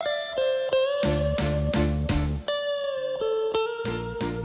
มันยังไม่ต้องห่วงและไม่ใช่ความสุข